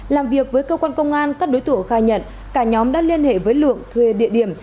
làm việc với cơ quan công an các đối tượng khai nhận cả nhóm đã liên hệ với lượng thuê địa điểm